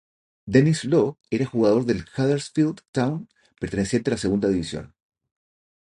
Denis Law era jugador del Huddersfield Town perteneciente a la segunda división.